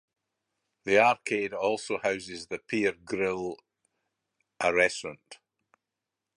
The arcade also houses the Pier Grille, a restaurant.